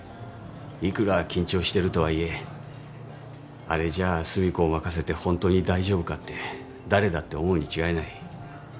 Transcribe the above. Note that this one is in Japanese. いくら緊張してるとはいえあれじゃ寿美子を任せて本当に大丈夫かって誰だって思うに違いない。